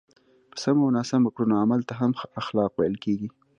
په سمو او ناسم کړنو عمل ته هم اخلاق ویل کېږي.